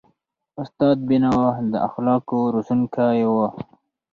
استاد بینوا د اخلاقو روزونکی و.